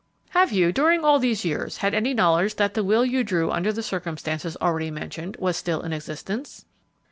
"Have you, during all these years, had any knowledge that the will you drew under the circumstances already mentioned was still in existence?"